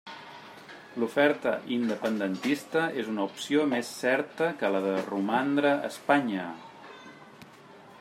L'oferta independentista és una opció més certa que la de romandre a Espanya.